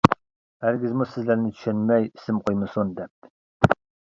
ھەرگىزمۇ سىزلەرنى چۈشەنمەي ئىسىم قويمىسۇن دەپ!